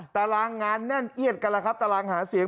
ตารางงานแน่นเอียดกันแล้วครับตารางหาเสียง